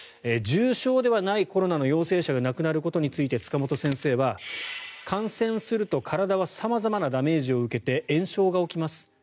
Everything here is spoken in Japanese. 重症ではないコロナの陽性者が亡くなることについて塚本先生は、感染すると体は様々なダメージを受けて炎症が起きます。